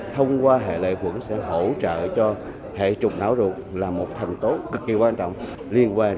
thông qua hệ lệ quận sẽ hỗ trợ cho hệ trục não ruột là một thành tố cực kỳ quan trọng liên quan